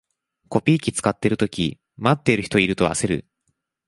コピー機使ってるとき、待ってる人いると焦る